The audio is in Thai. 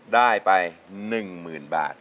ได้ไป๑หมื่นบาท